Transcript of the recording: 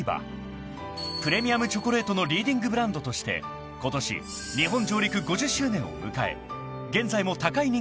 ［プレミアムチョコレートのリーディングブランドとしてことし日本上陸５０周年を迎え現在も高い人気を誇っている］